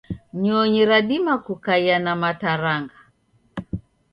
Nyonyi radima kukaia na mataranga.